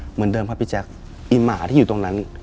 เหมือนเดิมครับพี่แจ๊คไอ้หมาที่อยู่ตรงนั้น